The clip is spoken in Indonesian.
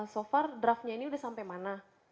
so far draftnya ini udah sampai mana